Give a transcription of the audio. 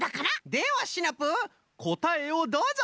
ではシナプーこたえをどうぞ！